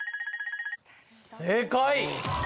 正解！